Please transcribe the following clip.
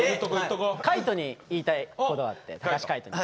海人に言いたいことがあって橋海人に。